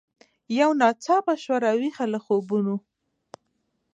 یو ناڅاپه سوه را ویښه له خوبونو